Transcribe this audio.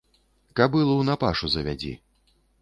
Кабылу на пашу завядзі.